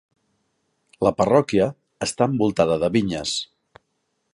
La parròquia està envoltada de vinyes.